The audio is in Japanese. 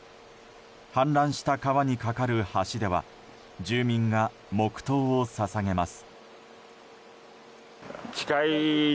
氾濫した川に架かる橋では住民が黙祷を捧げます。